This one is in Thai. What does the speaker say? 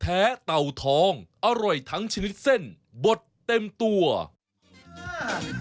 ไม่เอาต้องเอาแล้วล่ะค่ะ